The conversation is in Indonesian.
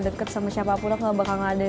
deket sama siapapun aku gak bakal ada